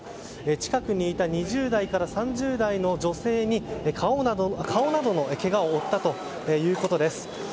近くにいた２０代から３０代の女性に顔などのけがを負ったということです。